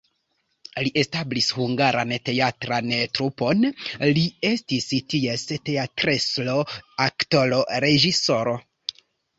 Li establis hungaran teatran trupon, li estis ties teatrestro, aktoro, reĝisoro.